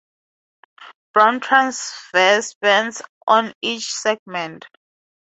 Brown transverse bands on each segment.